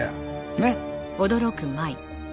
ねっ？